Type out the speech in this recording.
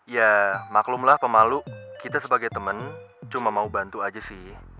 ya maklumlah pemalu kita sebagai teman cuma mau bantu aja sih